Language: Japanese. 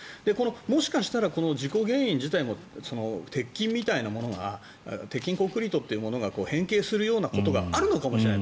もしかしたら、事故原因自体も鉄筋みたいなものが鉄筋コンクリートっていうものが変形するようなことがあるかもしれない。